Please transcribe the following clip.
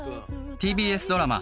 ＴＢＳドラマ